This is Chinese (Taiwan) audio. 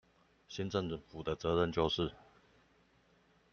新政府的責任就是